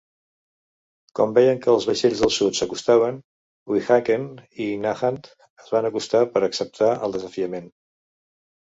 Com veien que els vaixells del sud s'acostaven, "Weehawken" i "Nahant" es van acostar per acceptar el desafiament.